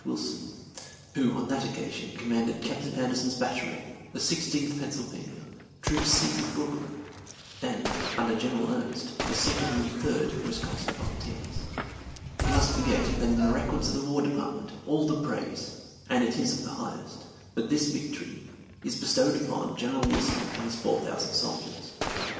Wilson, who on that occasion commanded Captain Anderson's Battery, the Sixteenth Pennsylvania, Troop C of Brooklyn, and under General Ernst, the Second and Third Wisconsin Volunteers. He must forget that in the records of the War Department all the praise, and it is of the highest, for this victory is bestowed upon General Wilson and his four thousand soldiers.